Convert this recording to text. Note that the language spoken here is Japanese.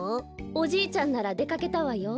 おじいちゃんならでかけたわよ。